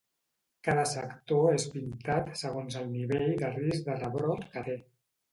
Cada sector és pintat segons el nivell de risc de rebrot que té.